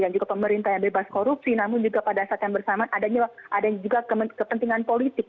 dan juga pemerintah yang bebas korupsi namun juga pada saat yang bersamaan adanya juga kepentingan politik